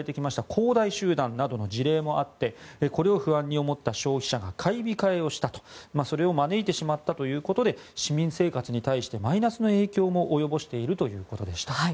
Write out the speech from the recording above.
恒大集団などの事例もあってこれを不安に思った消費者が買い控えをしたとそれを招いてしまったということで市民生活に対してマイナスの影響を及ぼしているということでした。